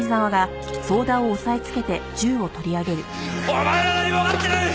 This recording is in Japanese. お前ら何もわかってない！